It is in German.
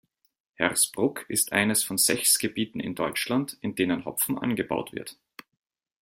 Hersbruck ist eines von sechs Gebieten in Deutschland, in denen Hopfen angebaut wird.